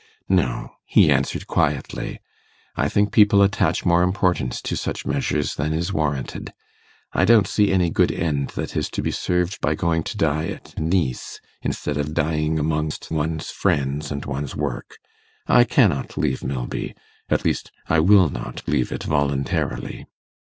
'No,' he answered quietly, 'I think people attach more importance to such measures than is warranted. I don't see any good end that is to be served by going to die at Nice, instead of dying amongst one's friends and one's work. I cannot leave Milby at least I will not leave it voluntarily.